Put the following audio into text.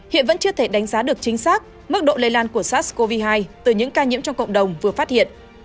hiện vẫn chưa thể đánh giá được chính xác mức độ lây lan của sars cov hai từ những ca nhiễm trong cộng đồng vừa phát hiện